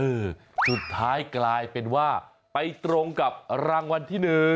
สุดท้ายกลายเป็นว่าไปตรงกับรางวัลที่๑